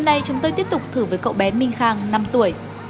lần này chúng tôi tiếp tục thử với cậu bé minh khang năm tuổi